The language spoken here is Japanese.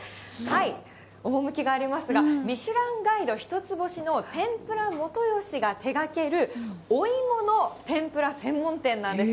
趣きがありますが、ミシュランガイド１つ星の天ぷらもとよしが手がけるおいもの天ぷら専門店なんです。